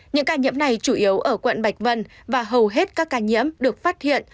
những ca nhiễm này chủ yếu ở quận bạch vân và hầu hết các ca nhiễm được phát hiện